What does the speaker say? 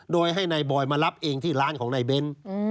โดยให้ในบอยมารับเองที่ร้านของในเบน